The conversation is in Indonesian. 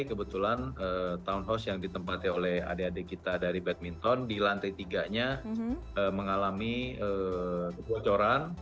kebetulan townhouse yang ditempati oleh adik adik kita dari badminton di lantai tiga nya mengalami kebocoran